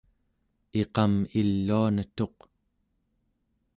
iqam iluanetuq